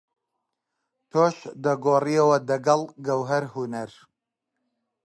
تۆش دەگۆڕیەوە دەگەڵ گەوهەر هونەر؟